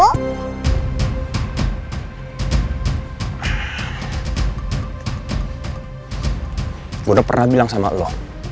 sudah pernah bilang sama elo